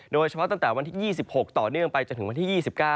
โดยเฉพาะตั้งแต่วันที่๒๖ต่อเนื่องไปจนถึงวันที่๒๙